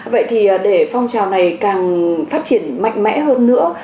vậy thì để phong trào này càng phát triển mạnh mẽ hơn nữa